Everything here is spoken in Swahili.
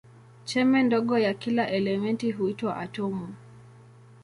Chembe ndogo ya kila elementi huitwa atomu.